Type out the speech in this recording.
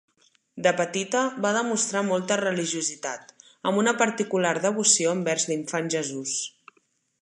De petita va demostrar molta religiositat, amb una particular devoció envers l'Infant Jesús.